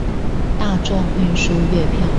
大眾運輸月票